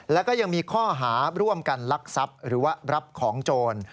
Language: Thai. แล้วก็ยังมีข้อหาร่วมกันลักทรัพย์หรือว่ารับของโจร